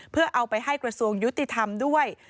เพื่อเอาไปให้กระทรวงยุติธรรมด้วย